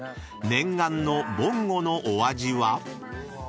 ［念願の「ぼんご」のお味は？］